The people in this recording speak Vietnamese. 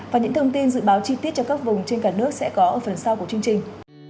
và những thông tin dự báo chi tiết cho các vùng trên cả nước sẽ có ở phần sau của chương trình